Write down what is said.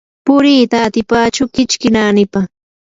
puriita atipachu kichki naanipa.